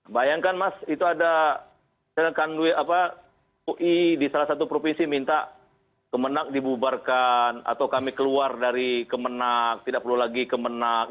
bayangkan mas itu ada misalkan ui di salah satu provinsi minta kemenang dibubarkan atau kami keluar dari kemenang tidak perlu lagi kemenang